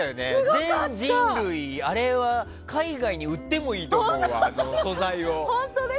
全人類あれは海外に売ってもいいと思う素材を。